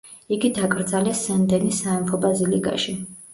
იგი დაკრძალეს სენ დენის სამეფო ბაზილიკაში.